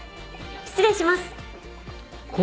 失礼します。